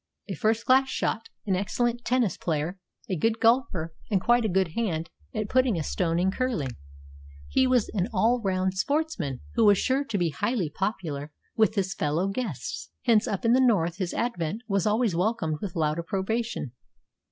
A first class shot, an excellent tennis player, a good golfer, and quite a good hand at putting a stone in curling, he was an all round sportsman who was sure to be highly popular with his fellow guests. Hence up in the north his advent was always welcomed with loud approbation.